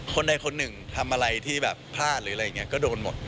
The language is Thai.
คนใดคนหนึ่งทำอะไรที่แบบพลาดหรืออะไรอย่างนี้ก็โดนหมด